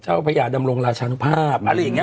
เจ้าพญาดำรงราชฌะภาพ